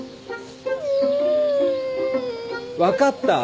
分かった！